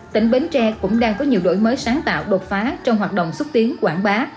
tỉnh bến tre cũng đang có nhiều đổi mới sáng tạo đột phá trong hoạt động xúc tiến quảng bá